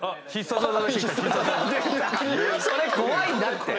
それ怖いんだって！